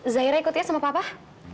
zaira ikut ya sama papa